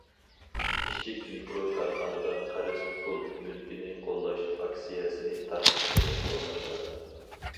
كىچىك، مىكرو كارخانىلار قەرز پۇل مۈلكىنى قوللاش ئاكسىيەسىنى تارقىتىشنى قوللاش لازىم.